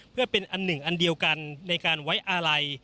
เพื่อเป็นอันหนึ่งอันเดียวกันในการไว้อาลัย